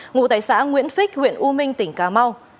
ngụ tại xã nguyễn phích huyện u minh tỉnh cà mau